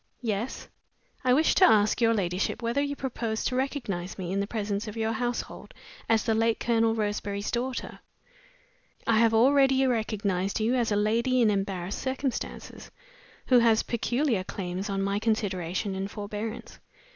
"Yes?" "I wish to ask your ladyship whether you propose to recognize me in the presence of your household as the late Colonel Roseberry's daughter?" "I have already recognized you as a lady in embarrassed circumstances, who has peculiar claims on my consideration and forbearance.